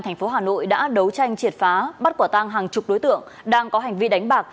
thành phố hà nội đã đấu tranh triệt phá bắt quả tang hàng chục đối tượng đang có hành vi đánh bạc